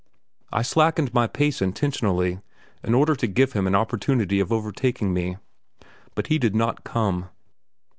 I slackened my pace intentionally in order to give him an opportunity of overtaking me; but he did not come.